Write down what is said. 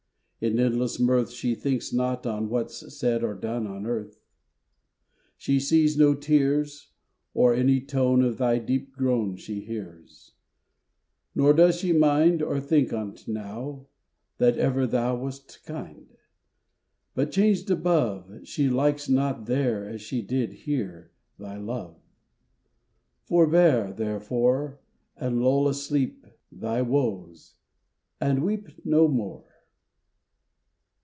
In endless mirth, She thinks not on What's said or done In earth: She sees no tears, Or any tone Of thy deep groan She hears; Nor does she mind, Or think on't now, That ever thou Wast kind: But changed above, She likes not there, As she did here, Thy love. Forbear, therefore, And lull asleep Thy woes, and weep No more.